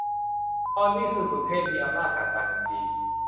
ตอนนี้คือ สุเทพ มีอำนาจสั่งการทันที